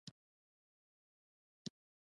د میرمنو کار د ژوند کیفیت لوړولو لامل دی.